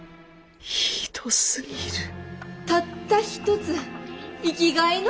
ひどすぎるたった一つ生きがいの。